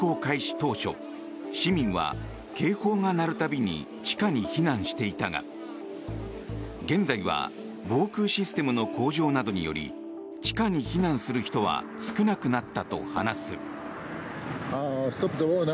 当初市民は警報が鳴るたびに地下に避難していたが現在は防空システムの向上などにより地下に避難する人は少なくなったと話す。